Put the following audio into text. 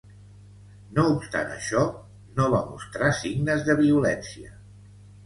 No obstant això, no va mostrar signes de violència.